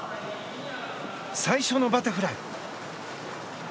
最初のバタフライ。